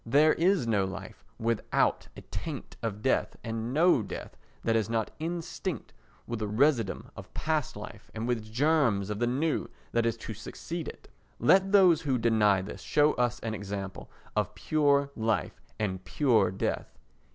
There is no life without a taint of death and no death that is not instinct with a residuum of past life and with germs of the new that is to succeed it. Let those who deny this show us an example of pure life and pure death.